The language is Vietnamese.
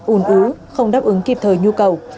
ủn ú không đáp ứng kịp thời nhu cầu